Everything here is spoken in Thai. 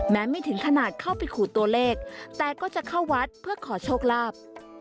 ไม่ถึงขนาดเข้าไปขู่ตัวเลขแต่ก็จะเข้าวัดเพื่อขอโชคลาภ